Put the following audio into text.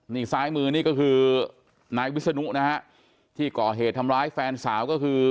นี่ซ้ายมือนี่ก็คือนายวิศนุนะฮะที่ก่อเหตุทำร้ายแฟนสาวก็คือ